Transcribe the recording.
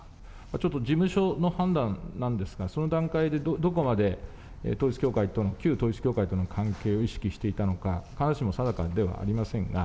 ちょっと事務所の判断なんですが、その段階でどこまで統一教会、旧統一教会との関係を意識していたのか、必ずしも定かではありませんが。